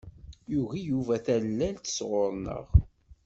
Yugi Yuba tallalt sɣur-neɣ.